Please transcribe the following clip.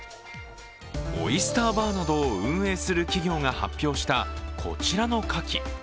オイスターバーなどを運営する企業が発表した、こちらのかき。